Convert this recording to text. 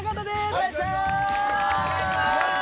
お願いします！